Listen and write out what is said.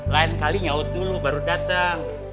lain kali nyaut dulu baru datang